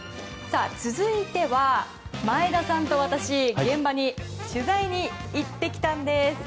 続いては、前田さんと私現場に取材に行ってきたんです。